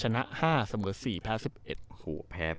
ชนะ๕เสมอ๔แพ้๑๑